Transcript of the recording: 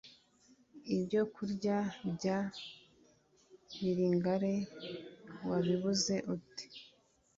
ibyokurya bya bilingale wabibuze ute